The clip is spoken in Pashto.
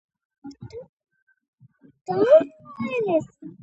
ونې یې له بېخه راویستلې.